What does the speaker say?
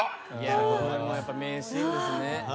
これも名シーンですね。